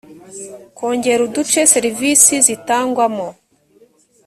kongera uduce serivisi zitangwamo